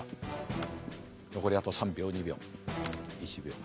残りあと３秒２秒１秒。